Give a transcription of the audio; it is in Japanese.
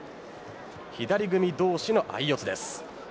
左組み同地の相四つです。